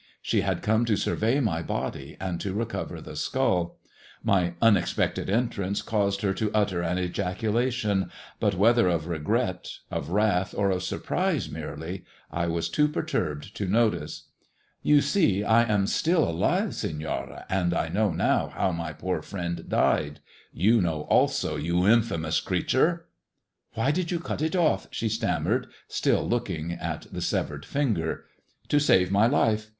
She had come to survey my body and to recover the skull. My un expected entrance caused her to utter an ejaculation ; but whether of regret, of wrath, or of surprise merely, I was too perturbed to notice. '* You see I am still alive, Senora ; and I know now how 242 'THE TALE OF THE TURQUOISE SKULL' my poor friend died. You know also, you infamous creature !"" Why did you cut it off ?" she stammered, still looking at the severed finger. " To save my life.